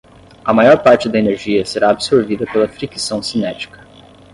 A maior parte da energia será absorvida pela fricção cinética.